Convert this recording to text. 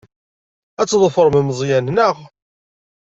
Ad tḍefrem Meẓyan, naɣ?